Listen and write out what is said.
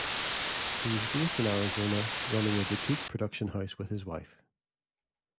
He was based in Arizona, running a boutique production house, with his wife.